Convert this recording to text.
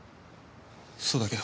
そうだけど。